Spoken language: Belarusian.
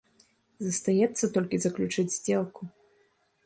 Застаецца толькі заключыць здзелку.